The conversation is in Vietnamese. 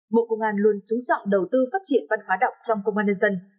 bộ công an luôn trú trọng đầu tư phát triển văn hóa đọc trong công an nhân dân